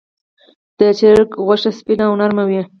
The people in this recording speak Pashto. د چرګ غوښه سپینه او نرمه وي.